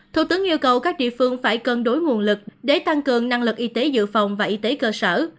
thủ tướng yêu cầu các địa phương phải cân đối nguồn lực để tăng cường năng lực y tế dự phòng và y tế cơ sở